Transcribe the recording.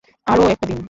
আরো একটা দিন।